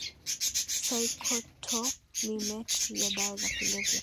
saikotomimetri ya dawa ya kulevya